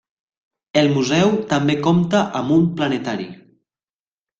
El museu també compta amb un planetari.